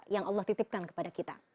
yang allah titipkan kepada kita